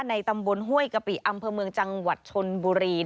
ตำบลห้วยกะปิอำเภอเมืองจังหวัดชนบุรี